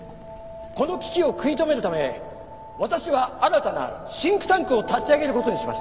この危機を食い止めるため私は新たなシンクタンクを立ち上げる事にしました。